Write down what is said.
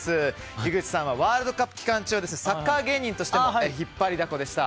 井口さんはワールドカップ期間中サッカー芸人としても引っ張りだこでした。